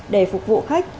để phục vụ khách